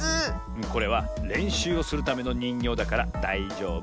これはれんしゅうをするためのにんぎょうだからだいじょうぶ。